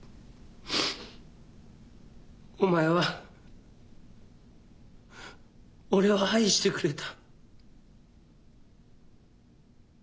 お前は俺を愛してくれた。